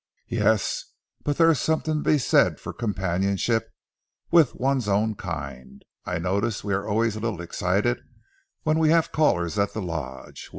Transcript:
"Yes, but there is something to be said for companionship with one's own kind. I notice we are always a little excited when we have callers at the Lodge.